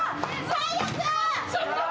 最悪！